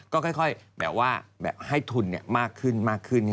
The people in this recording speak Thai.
ก็ค่อยแบบว่าให้ทุนมากขึ้นมากขึ้น